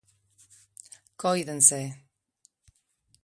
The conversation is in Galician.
Cóidense.